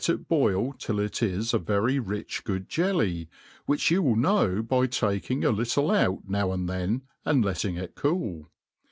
it boil till it is a verj rich good jelly, which you will know by taking a little out now and then, and letting it cool.